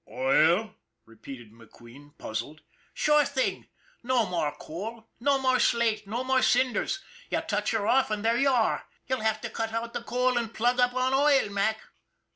" Oil ?" repeated McQueen, puzzled. " Sure thing ! No more coal no more slate no more cinders you touch her off, and there you are! You'll have to cut out the coal and plug up on oil, Mac."